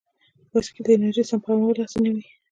بایسکل د انرژۍ سپمول اسانوي.